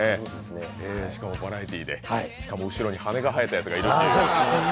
しかもバラエティーで、しかも後ろに羽が生えたやつがいるという。